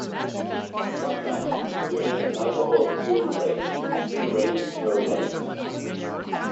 One night during an alcohol-fueled rage, he rapes Roseanne.